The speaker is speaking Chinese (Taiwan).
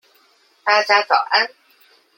大家早安